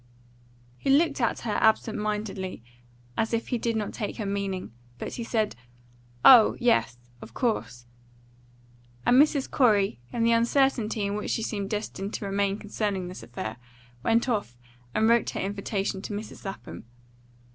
He looked at her absent mindedly, as if he did not take her meaning. But he said, "Oh yes, of course," and Mrs. Corey, in the uncertainty in which she seemed destined to remain concerning this affair, went off and wrote her invitation to Mrs. Lapham.